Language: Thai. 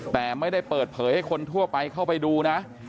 แต่ไม่ได้เปิดเผยให้คนทั่วไปเข้าไปดูนะ